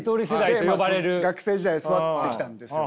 で学生時代育ってきたんですよ。